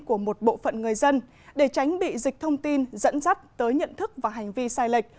của một bộ phận người dân để tránh bị dịch thông tin dẫn dắt tới nhận thức và hành vi sai lệch